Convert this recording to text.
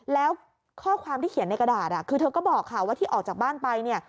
แล้วข้อความที่เขียนในกระดาษคือเธอก็บอกค่ะว่าที่ออกจากบ้านไปเนี่ย